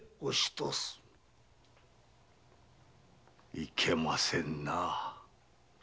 いけませんな。